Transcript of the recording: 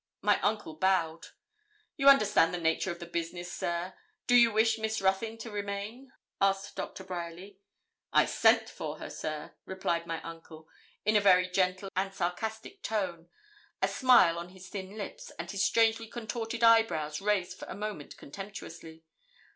My uncle bowed. 'You understand the nature of the business, sir. Do you wish Miss Ruthyn to remain?' asked Doctor Bryerly. 'I sent for her, sir,' replied my uncle, in a very gentle and sarcastic tone, a smile on his thin lips, and his strangely contorted eyebrows raised for a moment contemptuously.